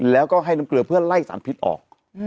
แล้วก็ให้น้ำเกลือเพื่อไล่สารพิษออก